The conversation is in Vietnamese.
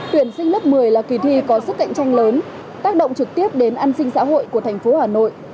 tuyển sinh lớp một mươi là kỳ thi có sức cạnh tranh lớn tác động trực tiếp đến an sinh xã hội của thành phố hà nội